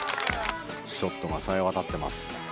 ショットが冴え渡っています。